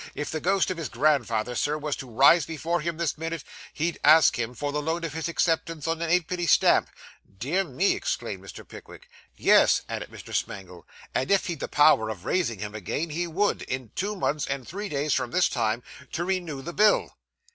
If the ghost of his grandfather, Sir, was to rise before him this minute, he'd ask him for the loan of his acceptance on an eightpenny stamp.' Dear me!' exclaimed Mr. Pickwick. 'Yes,' added Mr. Smangle; 'and if he'd the power of raising him again, he would, in two months and three days from this time, to renew the bill!